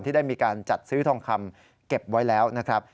ได้มีการจัดซื้อทองคำเก็บไว้แล้วนะครับ